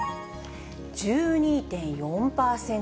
１２．４％。